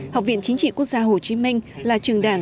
học viện chính trị quốc gia hồ chí minh là trường đảng